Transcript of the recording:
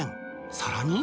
さらに。